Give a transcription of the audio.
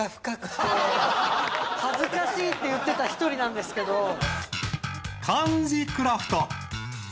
恥ずかしいって言ってた１人なんですけど。